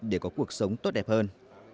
để có cuộc sống tốt đẹp hơn